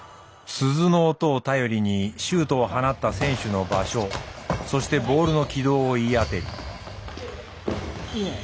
鈴の音を頼りにシュートを放った選手の場所そしてボールの軌道を言い当てる。